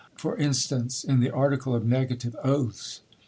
For instance, in the article of "Negative Oaths."